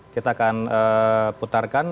kita akan putarkan